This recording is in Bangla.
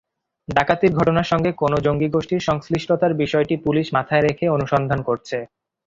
ডাকাতির ঘটনার সঙ্গে কোনো জঙ্গিগোষ্ঠীর সংশ্লিষ্টতার বিষয়টি পুলিশ মাথায় রেখে অনুসন্ধান করছে।